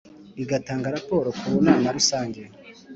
igatanga raporo ku Nama Rusange